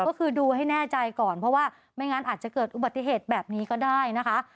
ก็คือดูให้แน่ใจก่อนเพราะว่าไม่งั้นอาจจะเกิดอุบัติเหตุแบบนี้ก็ได้นะคะ